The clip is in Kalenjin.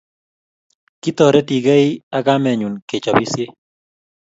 Kitoretikei ak kamenyu kechopisie